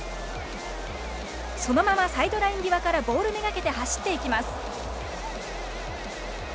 そのまま、サイドライン際からボール目がけて走っていきます。